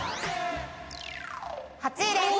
８位です。